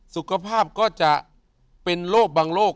สุขภาพก็จะเป็นโลกบังโลก